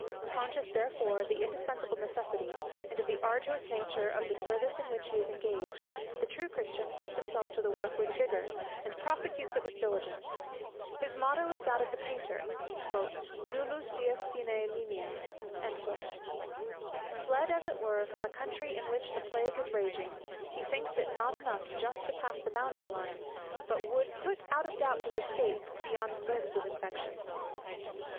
Conscious therefore of the indispensable necessity, and of the arduous nature of the service in which he is engaged, the true Christian sets himself to the work with vigour, and prosecutes it with diligence. His motto is that of the painter; "nullus dies sine linea." Fled as it were from a country in which the plague is raging, he thinks it not enough just to pass the boundary line, but would put out of doubt his escape beyond the limbs of infection.